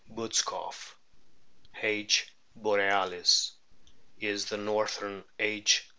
butzkoff, H, borealis], is the northern H.